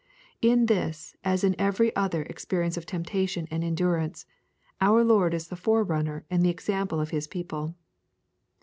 In this as in every other experience of temptation and endurance, our Lord is the forerunner and the example of His people.